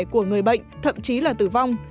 của người bệnh thậm chí là tử vong